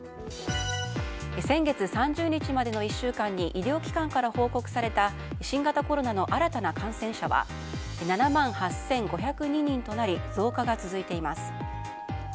先月３０日までの１週間に医療機関から報告された新型コロナの新たな感染者は７万８５０２人となり増加が続いています。